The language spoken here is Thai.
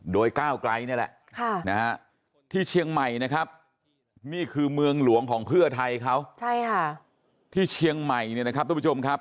โดยก้าวไกลนี่แหละที่เชียงใหม่นะครับนี่คือเมืองหลวงของเพื่อไทยเขาที่เชียงใหม่เนี่ยนะครับทุกผู้ชมครับ